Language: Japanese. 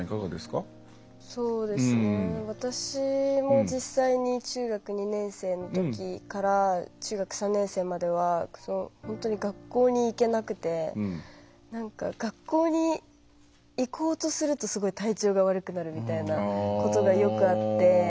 私も実際に中学２年生のときから中学３年生までは学校に行けなくて学校に行こうとするとすごい体調が悪くなるみたいなことがよくあって。